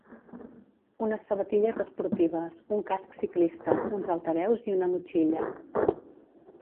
Unes sabatilles esportives, un casc ciclista, uns altaveus i una motxilla.